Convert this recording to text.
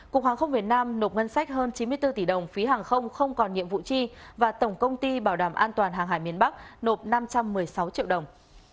cục hàng không việt nam nộp ngân sách hơn chín mươi bốn tỷ đồng phí hàng không không còn nhiệm vụ chi và tổng công ty bảo đảm an toàn hàng hải miền bắc nộp năm trăm một mươi sáu triệu đồng